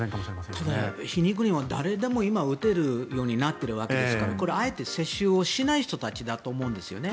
ただ、皮肉にも誰でも打てるようになってるわけですからこれはあえて接種をしない人たちだと思うんですよね。